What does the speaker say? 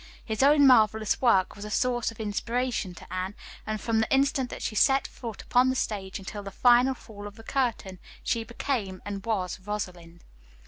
His own marvelous work was a source of inspiration to Anne, and from the instant that she set foot upon the stage until the final fall of the curtain she became and was "Rosalind."